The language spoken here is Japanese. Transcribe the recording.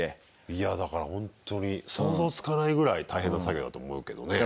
いやだからほんとに想像つかないぐらい大変な作業だと思うけどね。